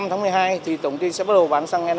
tổng công ty sẽ bắt đầu bán xăng e năm